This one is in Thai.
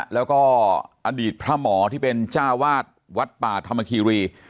แล้วก็อดีตพระหมอที่เป็นจ้าวาดวัดป่าธรรมคีรี